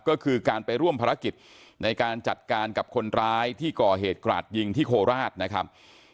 ก็คือการไปร่วมภารกิจในการจัดการกับคนร้ายที่ก่อเหตุกราดยิงที่โคราชนะครับ